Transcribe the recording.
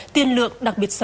tiên lượng đặc biệt xấu